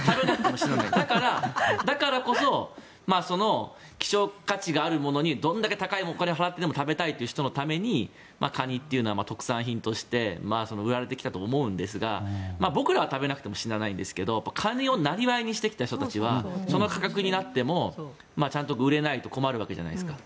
だからこそ希少価値があるものにどんだけ高いお金を払ってでも食べたいっていう人のためにカニは特産品として売られてきたと思うんですが僕らは食べなくても死なないと思うんですがカニを生業にしてきた人たちはその価格になってもちゃんと売れないと困るわけじゃないですか。